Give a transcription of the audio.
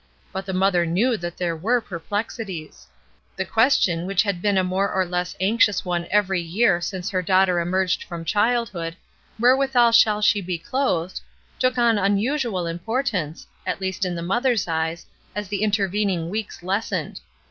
But the mother knew that there were perplexities. The question, which had been a more or less anxious one every year since her daughter emerged from childhood, "Wherewithal shall she be clothed?" took on unusual importance, at least in the mother's eyes, as the intervening weeks lessened.